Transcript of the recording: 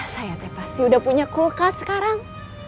saya teh pasti udah punya kulkas sekarang